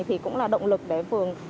thì cũng là động lực để phường